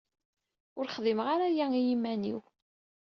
Ur xdimeɣ ara aya i yiman-iw.